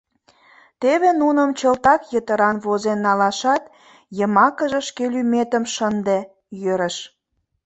Теве нуным чылтак йытыран возен налашат, йымакыже шке лӱметым шынде — йӧрыш.